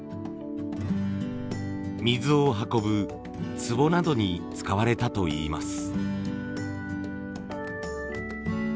水を運ぶつぼなどに使われたといいます。